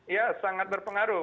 ya sangat berpengaruh